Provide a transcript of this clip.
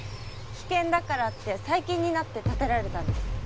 危険だからって最近になって建てられたんです。